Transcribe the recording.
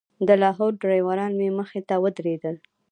د لاهور ډریوران مې مخې ته ودرېدل.